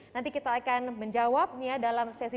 nanti kita akan menjawabnya dalam sesi